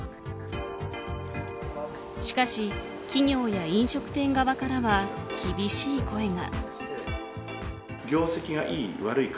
しかし、企業や飲食店側からは厳しい声が。